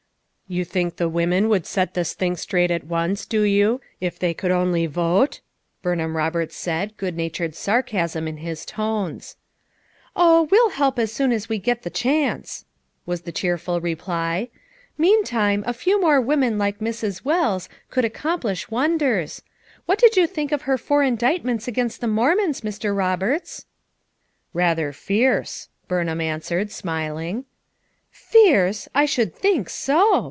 "You think the women would set this thing straight at once, do you, if they could only vote!" Burnham Eoberts said, good natured sarcasm in his tones. "Oh, we'll help as soon as we get the chance," was the cheerful reply. "Meantime, a few more women like Mrs. Wells could accom plish wonders. What did you think of her four indictments against the Mormons, Mr. Eoberts?" "Bather fierce," Burnham answered, smil ing. "Fierce? I should think so